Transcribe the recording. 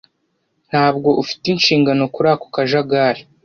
Ntabwo ufite inshingano kuri ako kajagari.